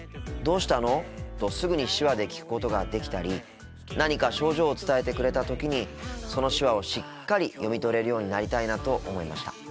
「どうしたの？」とすぐに手話で聞くことができたり何か症状を伝えてくれた時にその手話をしっかり読み取れるようになりたいなと思いました。